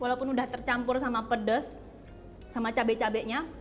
walaupun udah tercampur sama pedes sama cabai cabainya